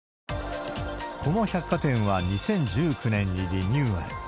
この百貨店は２０１９年にリニューアル。